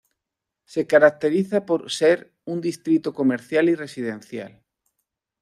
Se caracteriza por ser un distrito comercial y residencial.